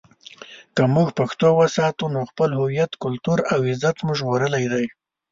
که موږ پښتو وساتو، نو خپل هویت، کلتور او عزت مو ژغورلی دی.